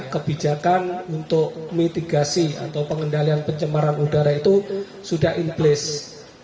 kebijakan untuk mitigasi atau pengendalian pencemaran udara itu sudah in place